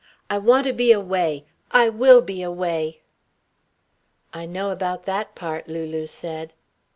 I want to be away I will be away!" "I know about that part," Lulu said.